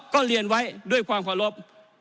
ก็เรียนไว้ด้วยความเคารพ